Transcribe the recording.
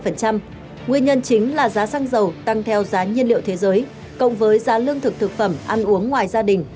nguyên nhân chính là giá xăng dầu tăng theo giá nhiên liệu thế giới cộng với giá lương thực thực phẩm ăn uống ngoài gia đình